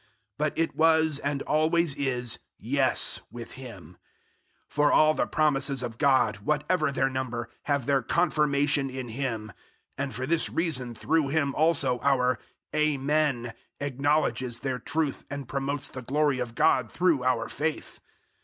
But it was and always is "Yes" with Him. 001:020 For all the promises of God, whatever their number, have their confirmation in Him; and for this reason through Him also our "Amen" acknowledges their truth and promotes the glory of God through our faith.